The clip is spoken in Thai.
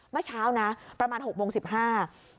เมื่อเช้านะประมาณ๖โมง๑๕บาท